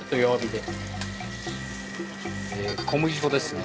で小麦粉ですね。